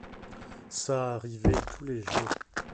Ça arrivait tous les jours.